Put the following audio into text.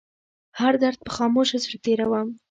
هر درد په خاموشه زړه تيروم